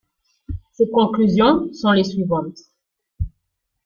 Ses conclusions sont les suivantes.